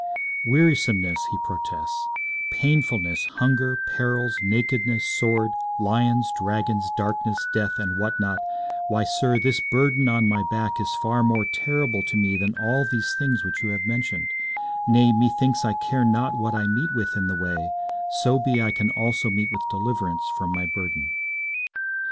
'Wearisomeness,' he protests, 'painfulness, hunger, perils, nakedness, sword, lions, dragons, darkness, death, and what not why, sir, this burden on my back is far more terrible to me than all these things which you have mentioned; nay, methinks I care not what I meet with in the way, so be I can also meet with deliverance from my burden.'